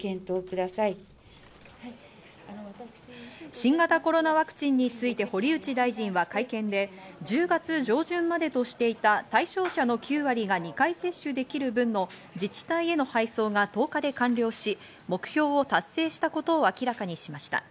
新型コロナワクチンについて堀内大臣は会見で、１０月上旬までとしていた対象者の９割が２回接種できる分の自治体への配送が１０日で完了し、目標を達成したことを明らかにしました。